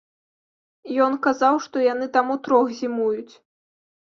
Ён казаў, што яны там утрох зімуюць.